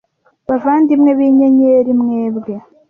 bavandimwe b'inyenyeri mwebwe